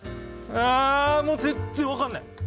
あもう全然分かんない！